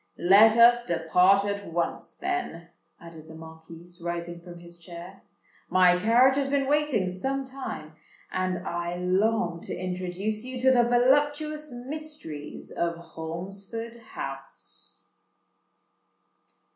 "Let us depart at once, then," added the Marquis, rising from his chair: "my carriage has been waiting some time; and I long to introduce you to the voluptuous mysteries of Holmesford House."